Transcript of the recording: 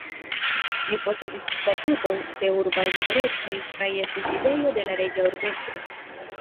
Ĝi posedis statuton de urbaj liberecoj kaj estis sidejo de la reĝa urbestro.